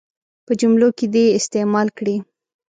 په جملو کې دې یې استعمال کړي.